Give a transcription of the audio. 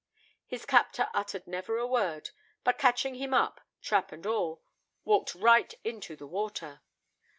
His captor uttered never a word; but catching him up, trap and all, walked right into the water.